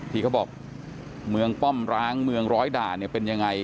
ที่เขาบอกเมืองป้อมร้างเมืองร้อยด่านเนี่ยเป็นยังไง